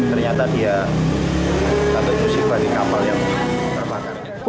ternyata dia atau disimpan di kapal yang terbakar